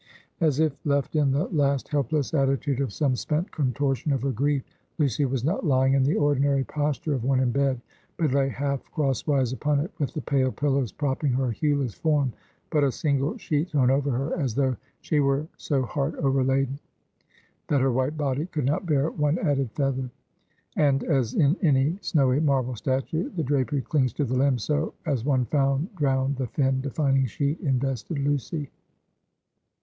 As if left in the last helpless attitude of some spent contortion of her grief, Lucy was not lying in the ordinary posture of one in bed, but lay half crosswise upon it, with the pale pillows propping her hueless form, and but a single sheet thrown over her, as though she were so heart overladen, that her white body could not bear one added feather. And as in any snowy marble statue, the drapery clings to the limbs; so as one found drowned, the thin, defining sheet invested Lucy.